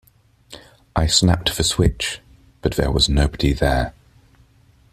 I snapped the switch, but there was nobody there.